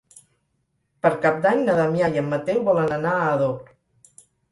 Per Cap d'Any na Damià i en Mateu volen anar a Ador.